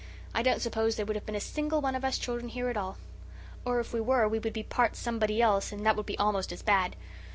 I don't suppose there would have been a single one of us children here at all; or if we were, we would be part somebody else and that would be almost as bad.